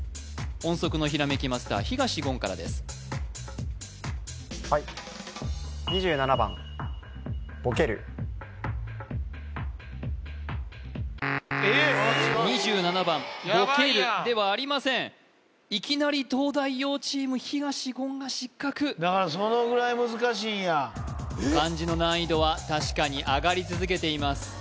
音速のひらめきマスター東言からですはい２７番ぼけるではありませんいきなり東大王チーム東言が失格漢字の難易度は確かに上がり続けています